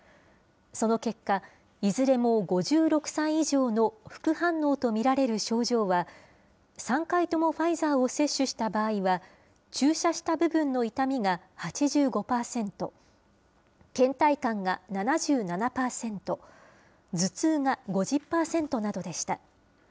その結果、いずれも５６歳以上の副反応と見られる症状は、３回ともファイザーを接種した場合は、注射した部分の痛みが８５％、けん怠感が７７％、頭痛が５０％などでした。